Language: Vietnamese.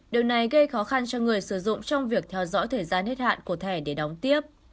điều này gây khó khăn cho người sử dụng trong việc theo dõi thời gian hết hạn của thẻ để đóng tiếp